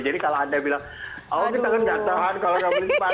jadi kalau anda bilang oh kita kan nggak tau kan kalau nggak beli sepatu